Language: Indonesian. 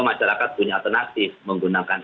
masyarakat punya alternatif menggunakan